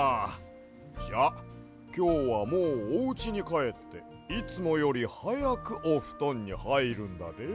じゃあきょうはもうおうちにかえっていつもよりはやくおふとんにはいるんだで。